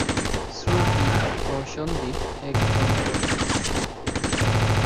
শ্রুতি ও সন্দীপ এক দম্পতি।